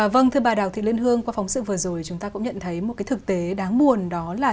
vâng thưa bà đào thị liên hương qua phóng sự vừa rồi chúng ta cũng nhận thấy một cái thực tế đáng buồn đó là